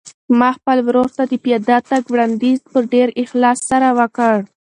ما خپل ورور ته د پیاده تګ وړاندیز په ډېر اخلاص سره وکړ.